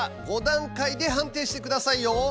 ５段階で判定してくださいよ。